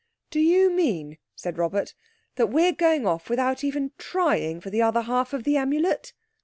"Do you mean," said Robert, "that we're going off without even trying for the other half of the Amulet?"